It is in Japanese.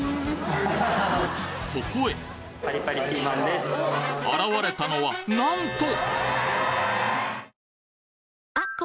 そこへ現れたのはなんと！